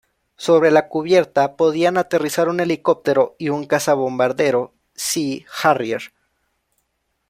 Sobre la cubierta podían aterrizar un helicóptero y un cazabombardero Sea Harrier.